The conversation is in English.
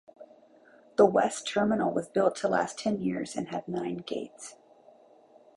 The West Terminal was built to last ten years and had nine gates.